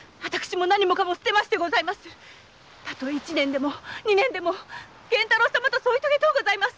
たとえ一年二年でも源太郎様と添い遂げとうございます。